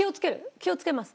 気をつけます。